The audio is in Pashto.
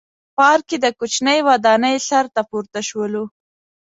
پارک کې د کوچنۍ ودانۍ سر ته پورته شولو.